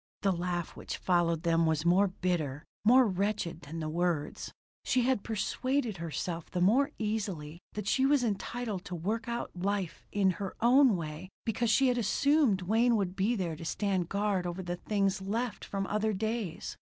The laugh which followed them was more bitter, more wretched than the words. She had persuaded herself the more easily that she was entitled to work out her life in her own way because she had assumed Wayne would be there to stand guard over the things left from other days.